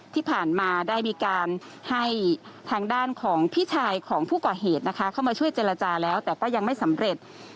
ที่ผ่านมาได้มีการให้ทางด้านของพี่ชายของผู้ก่อเหตุนะคะเข้ามาช่วยเจรจาแล้วแต่ก็ยังไม่สำเร็จ